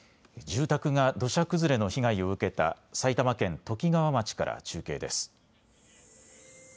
住宅が土砂崩れの被害を受けた埼玉県ときがわ町から中継です。